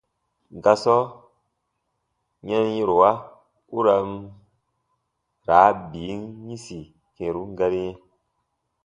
Gasɔ yɛnyɛ̃rowa u ra n raa bin yĩsi kɛ̃run gari yɛ̃.